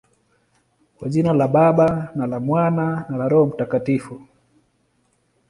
Kwa jina la Baba, na la Mwana, na la Roho Mtakatifu.